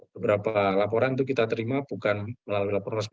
beberapa laporan itu kita terima bukan melalui laporan resmi